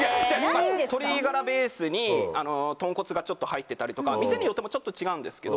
鶏がらベースに豚骨がちょっと入ってたりとか店によっても違うんですけど。